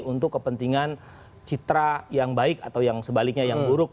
untuk kepentingan citra yang baik atau yang sebaliknya yang buruk